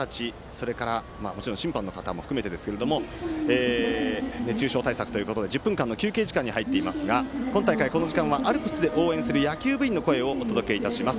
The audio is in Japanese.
それから審判の方も含めてですが熱中症対策ということで１０分間の休憩時間に入りますが今大会、この時間はアルプスで応援する野球部員の声をお届けします。